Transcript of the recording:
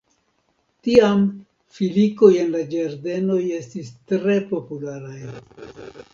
Tiam filikoj en la ĝardenoj estis tre popularaj.